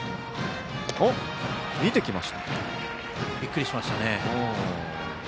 びっくりしましたね。